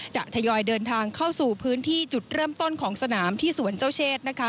ทยอยเดินทางเข้าสู่พื้นที่จุดเริ่มต้นของสนามที่สวนเจ้าเชษ